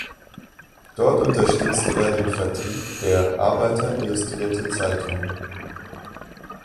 Dort unterstützte er den Vertrieb der "Arbeiter Illustrierte Zeitung".